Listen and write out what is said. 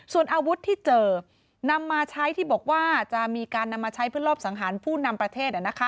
ส่วนอาวุธที่เจอนำมาใช้ที่บอกว่าจะมีการนำมาใช้เพื่อรอบสังหารผู้นำประเทศ